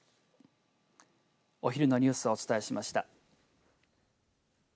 お昼のニュースをお伝えしました。